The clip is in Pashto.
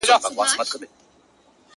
دا ډېره ښه ده چې ترې لاړ شي په آداب سړی